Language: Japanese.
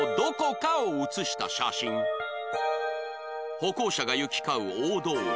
歩行者が行き交う大通り